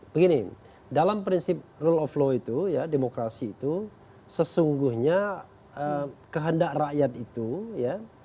begini dalam prinsip rule of law itu ya demokrasi itu sesungguhnya kehendak rakyat itu ya